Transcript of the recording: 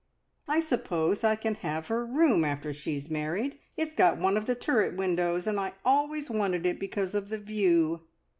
I suppose I can have her room after she's married! It's got one of the turret windows, and I always wanted it because of the view.